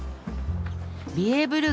ビエーブル